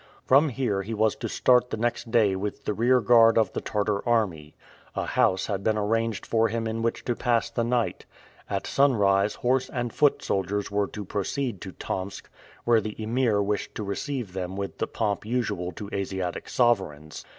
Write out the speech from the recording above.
From here he was to start the next day with the rear guard of the Tartar army. A house had been arranged for him in which to pass the night. At sunrise horse and foot soldiers were to proceed to Tomsk, where the Emir wished to receive them with the pomp usual to Asiatic sovereigns.